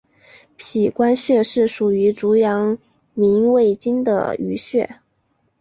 髀关穴是属于足阳明胃经的腧穴。